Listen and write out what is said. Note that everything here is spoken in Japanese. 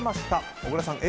小倉さん、Ａ。